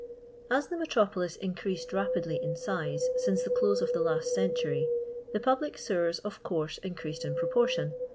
As the metropolis increased rapidly in size since the cl.^se of the last century, the public aewers of cMuirse increased in pr.)portion.